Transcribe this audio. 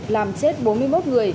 làm chết bốn mươi một người